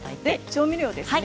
調味料ですね。